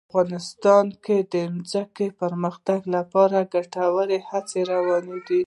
افغانستان کې د ځمکه د پرمختګ لپاره ګټورې هڅې روانې دي.